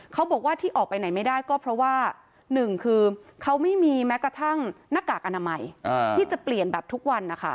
เขาบอกว่าที่ออกไปไหนไม่ได้ก็เพราะว่าหนึ่งคือเขาไม่มีแม้กระทั่งหน้ากากอนามัยที่จะเปลี่ยนแบบทุกวันนะคะ